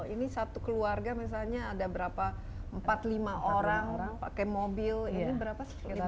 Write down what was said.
ini satu keluarga misalnya ada berapa empat lima orang pakai mobil ini berapa